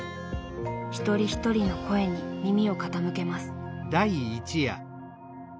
一人一人の声に耳を傾けます。